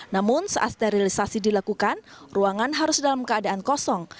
namun saat sterilisasi dilakukan ruangan harus dalam keadaan kosong